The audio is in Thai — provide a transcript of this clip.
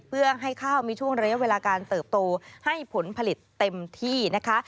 เพื่อให้ข้าวมีช่วงระยะเวลาการเติบโตให้ผลผลิตเต็มที่นะคะ